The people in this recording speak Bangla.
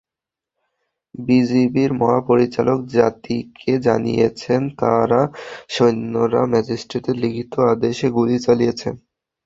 বিজিবির মহাপরিচালক জাতিকে জানিয়েছেন, তাঁর সৈন্যরা ম্যাজিস্ট্রেটের লিখিত আদেশে গুলি চালিয়েছে।